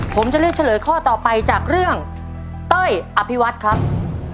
ผมจะเลือกเฉลยข้อต่อไปจากเรื่องเต้ยอภิวัฒน์ครับ